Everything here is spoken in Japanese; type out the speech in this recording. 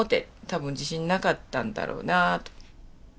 たぶん自信なかったんだろうなあと。